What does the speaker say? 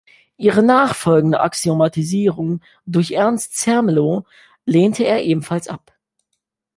Ihre nachfolgende Axiomatisierung durch Ernst Zermelo lehnte er ebenfalls ab.